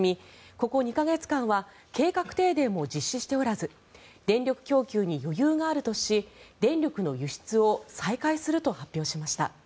ここ２か月間は計画停電も実施しておらず電力供給に余裕があるとし電力の輸出を再開すると発表しました。